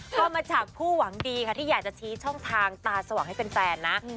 ก็มาจากผู้หวังดีค่ะที่อยากจะชี้ช่องทางตาสว่างให้เป็นแฟนนะ